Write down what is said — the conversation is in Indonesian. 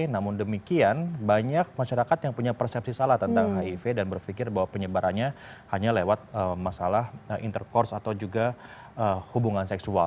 namun demikian banyak masyarakat yang punya persepsi salah tentang hiv dan berpikir bahwa penyebarannya hanya lewat masalah intercourse atau juga hubungan seksual